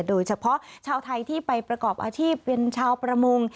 โดยเฉพาะชาวไทยที่ไปประกอบอาชีพเป็นชาวประมง